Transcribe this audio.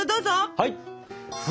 はい！